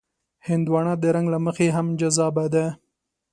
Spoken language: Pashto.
هندوانه د رنګ له مخې هم جذابه ده.